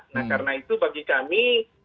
nah karena itu bagi kami